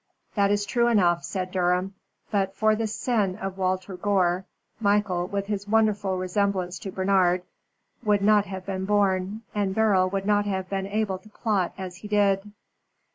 "That is true enough," said Durham. "But for the sin of Walter Gore, Michael, with his wonderful resemblance to Bernard, would not have been born, and Beryl would not have been able to plot as he did."